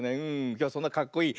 きょうはそんなかっこいい